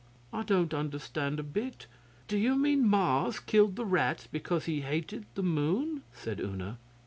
'I don't understand a bit. Do you mean Mars killed the rats because he hated the Moon?' said Una.